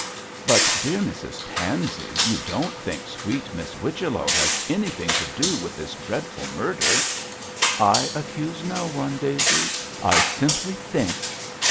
'But, dear Mrs Pansey, you don't think sweet Miss Whichello has anything to do with this very dreadful murder?' 'I accuse no one, Daisy. I simply think!'